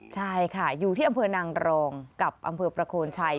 ใช่ค่ะอยู่ที่อำเภอนางรองกับอำเภอประโคนชัย